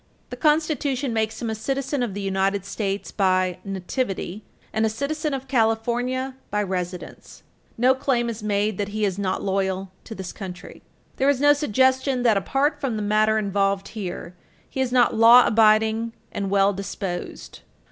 The Constitution makes him a citizen of the United States by nativity, and a citizen of California by Page 323 U. S. 243 residence. No claim is made that he is not loyal to this country. There is no suggestion that, apart from the matter involved here, he is not law abiding and well disposed.